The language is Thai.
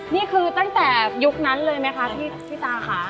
นี่คือตั้งแต่ยุคนั้นเลยไหมคะพี่ชิตาค่ะ